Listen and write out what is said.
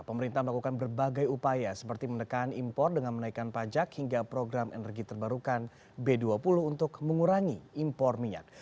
pemerintah melakukan berbagai upaya seperti menekan impor dengan menaikkan pajak hingga program energi terbarukan b dua puluh untuk mengurangi impor minyak